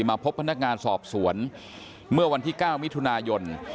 มาพบพนักงานสอบสวนเมื่อวันที่๙มิถุนายน